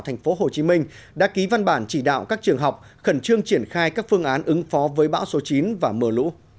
tp hcm đã ký văn bản chỉ đạo các trường học khẩn trương triển khai các phương án ứng phó với bão số chín và mưa lũ